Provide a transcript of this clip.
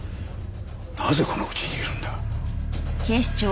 なぜこの家にいるんだ？